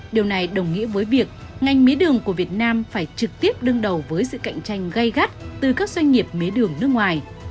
điều này đồng nghĩa với việc ngành mía đường của việt nam phải trực tiếp đương đầu với sự cạnh tranh gây gắt từ các doanh nghiệp mía đường nước ngoài